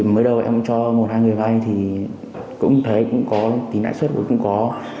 mới đầu em cho một hai người vay thì cũng thấy cũng có tính lãi suất của cũng có